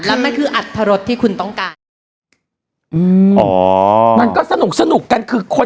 แล้วมันคืออัตรรสที่คุณต้องการอืมอ๋อมันก็สนุกสนุกกันคือคน